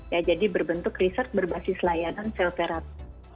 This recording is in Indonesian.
ya jadi berbentuk riset berbasis layanan sel terapi